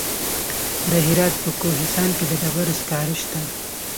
د هرات په کهسان کې د ډبرو سکاره شته.